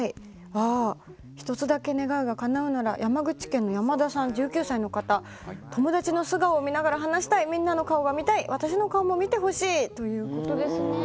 １つだけ願いがかなうなら山口県の１９歳の方友達の素顔を見ながら話したいみんなの顔が見たい私の顔も見てほしいということですね。